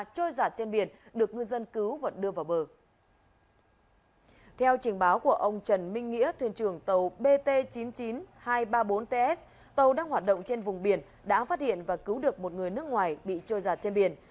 tàu đang hoạt động trên vùng biển đã phát hiện và cứu được một người nước ngoài bị trôi giặt trên biển